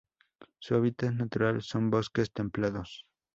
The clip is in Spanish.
Su hábitat natural son: Bosques templados.